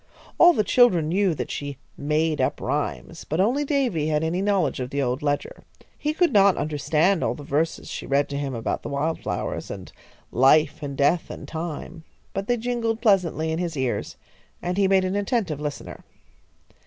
All the children knew that she "made up rhymes," but only Davy had any knowledge of the old ledger. He could not understand all the verses she read to him about the wild flowers, and life and death and time, but they jingled pleasantly in his ears, and he made an attentive listener.